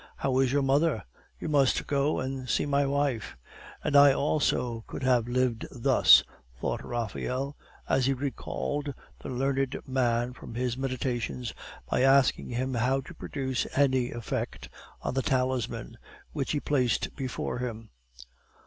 "How is your mother? You must go and see my wife." "And I also could have lived thus," thought Raphael, as he recalled the learned man from his meditations by asking of him how to produce any effect on the talisman, which he placed before him.